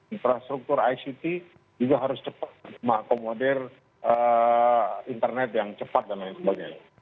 infrastruktur ict juga harus cepat mengakomodir internet yang cepat dan lain sebagainya